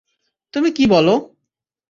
তুমি কী বলো?